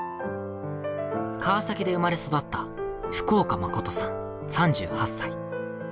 川崎で生まれ育った福岡誠さん３８歳。